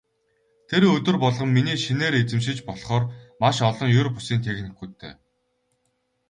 Тэр өдөр болгон миний шинээр эзэмшиж болохоор маш олон ер бусын техникүүдтэй.